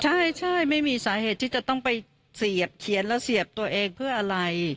ใช่ไม่มีสาเหตุที่จะต้องไปเสียบเขียนแล้วเสียบตัวเองเพื่ออะไร